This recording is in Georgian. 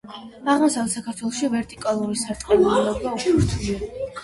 აღმოსავლეთ საქართველოში ვერტიკალური სარტყლურობა უფრო რთულია.